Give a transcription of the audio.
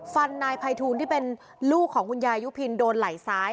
ฟันนายภัยทูลที่เป็นลูกของคุณยายุพินโดนไหล่ซ้าย